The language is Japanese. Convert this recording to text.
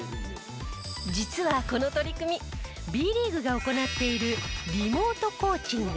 実はこの取り組みＢリーグが行っているリモートコーチング。